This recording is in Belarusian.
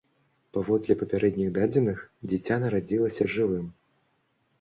Паводле папярэдніх дадзеных, дзіця нарадзілася жывым.